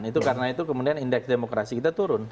itu karena itu kemudian indeks demokrasi kita turun